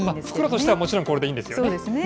袋としてはもちろん、これでいいんですよね。